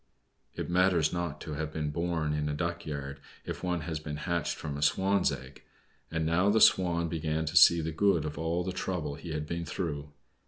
It matters not to have been born in a duck yard, if one has been hatched from a Swan's egg. And now the Swan began to see the good of all the trouble he had been through.